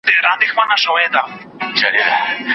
هلته ليري يوه ښار كي حكمران وو